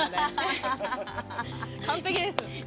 完璧です。